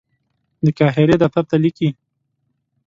د قاهرې دفتر ته لیکي.